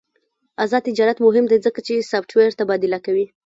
آزاد تجارت مهم دی ځکه چې سافټویر تبادله کوي.